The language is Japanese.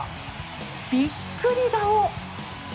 ビックリ顔！